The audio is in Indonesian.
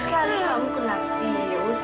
aduh gini kan kamu kelafius